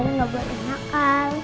kalian gak boleh makan